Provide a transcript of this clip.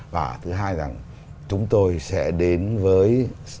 và thứ hai là chúng tôi sẽ đến với